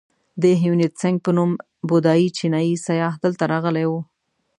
د هیونتسینګ په نوم بودایي چینایي سیاح دلته راغلی و.